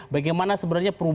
bagaimana sebenarnya perubahan